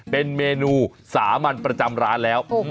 เป็นเมนูสามัญประจำร้านแล้ว